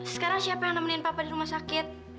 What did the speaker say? sekarang siapa yang nemenin papa di rumah sakit